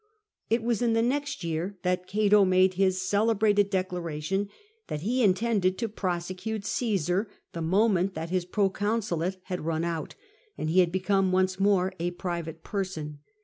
It was in the next year that Cato made his celebrated declaration that he intended to prosecute Cassar, the moment that his proconsulate had run out, and he had become once more a private person.